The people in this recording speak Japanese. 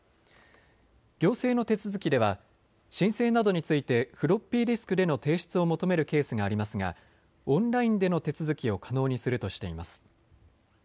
行政の手続きでは申請などについてフロッピーディスクでの提出を求めるケースがありますがオンラインでの手続きを可能にするとしています。